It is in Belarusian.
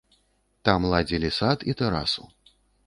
Там ладзілі сад і тэрасу.